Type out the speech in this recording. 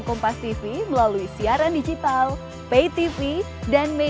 kasus ini kan berusaha kecil ya